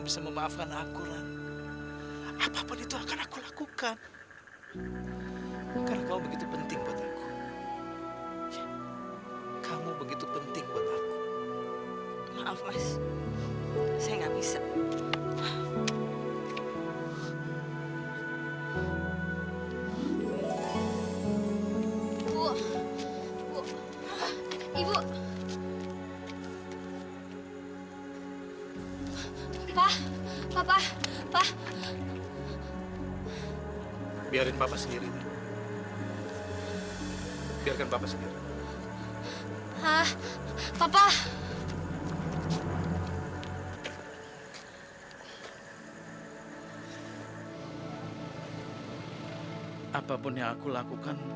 sampai jumpa di video selanjutnya